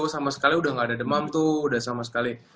sama sekali udah gak ada demam tuh